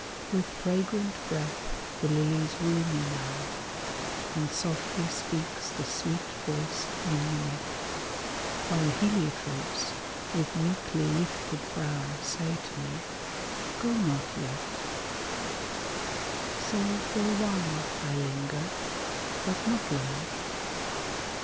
With fragrant breath the lilies woo me now. And softly speaks the sweet voiced mignonette, While heliotropes, with meekly lifted brow, Say to me, " Go not yet." So for awhile I linger, but not long.